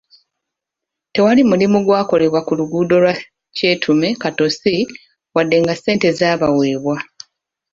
Tewali mulimu gwakolebwa ku luguudo lwa Kyetuma-Katosi wadde nga ssente zaabaweebwa.